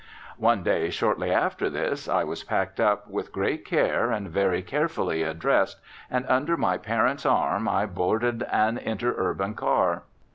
One day shortly after this I was packed up with great care and very carefully addressed, and under my parent's arm I boarded an interurban car.